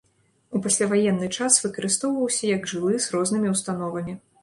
У пасляваенны час выкарыстоўваўся як жылы з рознымі установамі.